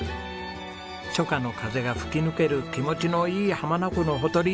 初夏の風が吹き抜ける気持ちのいい浜名湖のほとり。